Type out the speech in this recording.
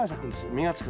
実がつく。